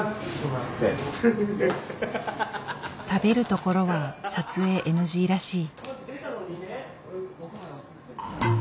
食べるところは撮影ＮＧらしい。